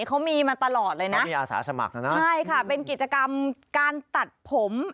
เขามีมาตลอดเลยนะใช่ค่ะเป็นกิจกรรมการตัดผม